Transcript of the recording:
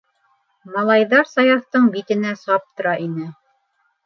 Малайҙар Саяфтың битенә саптыра ине!